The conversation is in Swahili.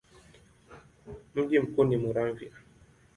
Mji mkuu ni Muramvya.